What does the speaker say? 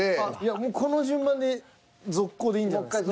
もうこの順番で続行でいいんじゃないですか。